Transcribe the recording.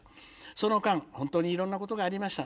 その間本当にいろんなことがありました。